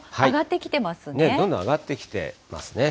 どんどん上がってきてますね。